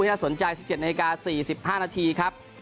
ที่ถ้าสนใจ๑๗นาฬิกา๔๕นาทีครับ